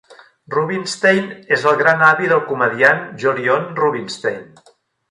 Rubinstein és el gran avi del comediant Jolyon Rubinstein.